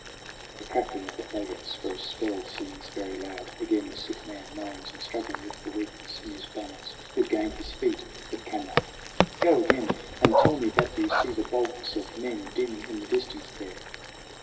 The crackling of the faggots for a spell Seems very loud. Again the sick man moans And, struggling with the weakness in his bones, Would gain his feet, but can not. "Go again, And tell me that you see the bulks of men Dim in the distance there."